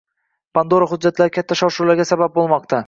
“Pandora hujjatlari” katta shov-shuvlarga sabab bo‘lmoqda